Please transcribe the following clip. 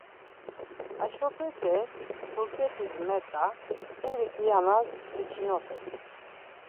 Haşopete Turketis met̆a, ir kianas biçinopet.